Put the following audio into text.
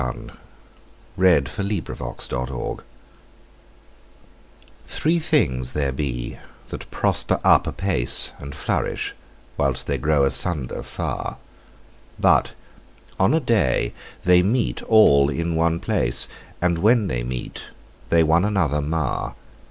Sir Walter Raleigh to his Son THREE things there be that prosper all apace, And flourish while they are asunder far; But on a day, they meet all in a place, And when they meet, they one another mar.